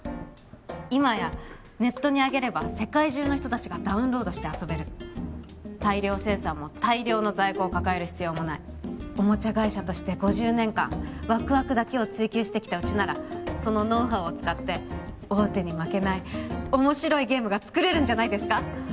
今やネットに上げれば世界中の人達がダウンロードして遊べる大量生産も大量の在庫を抱える必要もないおもちゃ会社として５０年間ワクワクだけを追求してきたうちならそのノウハウを使って大手に負けない面白いゲームが作れるんじゃないですか？